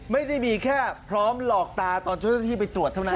ไม่ได้มีแค่พร้อมหลอกตาตอนเจ้าหน้าที่ไปตรวจเท่านั้น